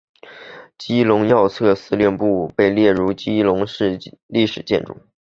基隆要塞司令部被列入基隆市历史建筑。